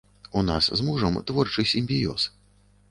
У нас з мужам творчы сімбіёз.